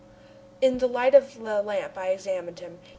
In the light of the lamp I examined him.